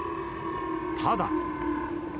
ただ。